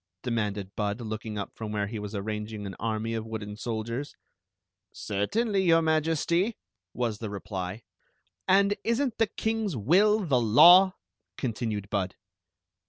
remanded Bud, looking up from where he was arranging an army of wooden soldiers "Certainly, your Majesty," was the reply. '#nd is n't the king's will the law.?" continued Bud.